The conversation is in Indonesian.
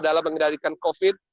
dalam mengendalikan covid